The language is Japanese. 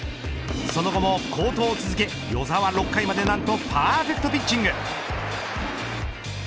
その後も好投を続け與座は６回まで何とパーフェクトピッチング。